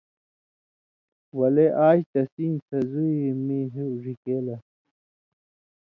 ولے آژ تسیں سزُوئ اْی مِیں ہیُو ڙِھکے لَس۔